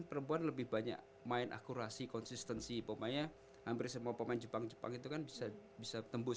perempuan lebih banyak main akurasi konsistensi pemain hampir semua pemain jepang jepang itu kan bisa bisa tembus